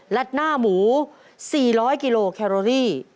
และหน้าหมู๔๐๐กิโลแคโรรี่